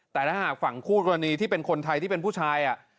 แต่ถ้าหากฝั่งคู่กรณีที่เป็นคนไทยที่เป็นผู้ชาย